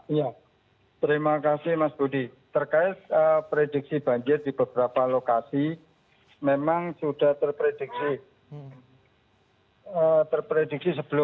iya terima kasih mas budi terkait prediksi banjir di beberapa lokasi memang sudah terprediksi